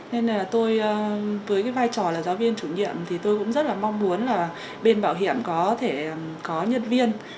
nên là tôi với cái vai trò là giáo viên chủ nhiệm thì tôi cũng rất là mong muốn là bên bảo hiểm có thể có nhân viên